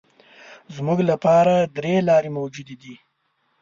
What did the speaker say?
زموږ لپاره درې لارې موجودې دي.